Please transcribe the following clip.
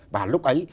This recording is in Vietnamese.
và lúc ấy